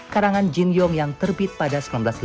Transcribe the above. karangan jin yong yang terbit pada seribu sembilan ratus lima puluh